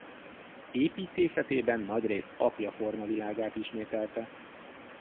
Építészetében nagyrészt apja formavilágát ismételte.